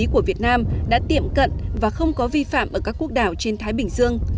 của việt nam đã tiệm cận và không có vi phạm ở các quốc đảo trên thái bình dương